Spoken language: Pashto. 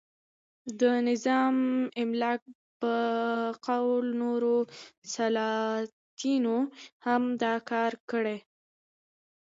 د نظام الملک په قول نورو سلاطینو هم دا کار کړی.